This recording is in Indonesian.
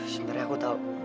sebenernya aku tau